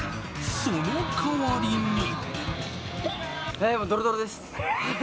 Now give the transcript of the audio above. その代わりに。